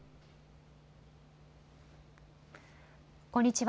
こんにちは。